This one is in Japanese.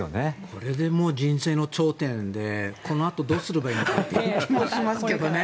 これでもう人生の頂点でこのあとどうすればいいのかという気がしますけどね。